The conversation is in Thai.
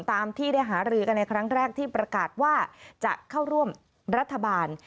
ตามที่ได้หารือกันในครั้งแรกที่ประกาศว่าจะเข้าร่วมรัฐบาล